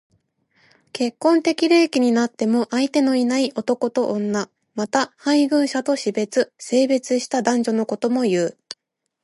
結婚適齢期になっても相手のいない男と女。また、配偶者と死別、生別した男女のことも言う。